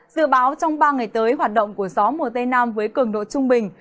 dự báo trong ba ngày tới hoạt động của gió mùa tây nam với cường độ trung bình